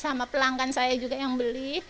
sama pelanggan saya juga yang beli